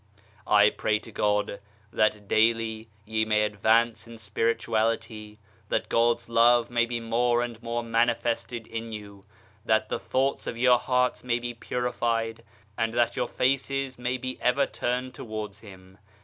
I pray to God that daily ye may advance in spirituality, that God's Love may be more and more manifested in you, that the thoughts of your hearts may be purified, and that your faces may be ever turned towards Him.